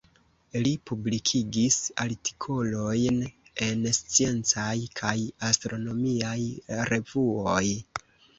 Li publikigis artikolojn en sciencaj kaj astronomiaj revuoj.